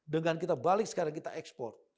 dengan kita balik sekarang kita ekspor